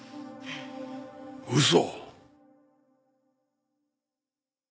嘘。